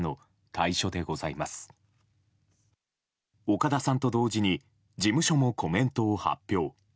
岡田さんと同時に事務所もコメントを発表。